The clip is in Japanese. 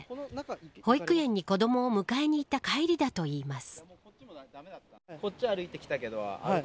保育園に子どもを迎えに行った帰りだといいます。